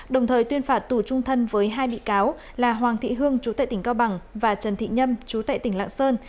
đồng thời tuyên phạt tù trung thân với hai bị cáo là hoàng thị hương chú tại tỉnh cao bằng và trần thị nhâm chú tại tỉnh lạng sơn